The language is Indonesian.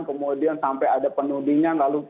kemudian sampai ada penundinya ngga lupa